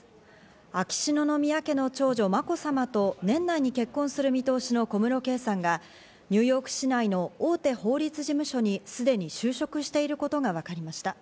秋篠宮家の長女・まこさまと年内に結婚する見通しの小室圭さんがニューヨーク市内の大手法律事務所にすでに就職していることが分かりました。